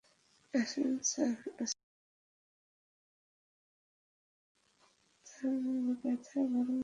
আছেত sir, আপনি তো দেখছেন, তাঁর ব্যাথা ভরা মন।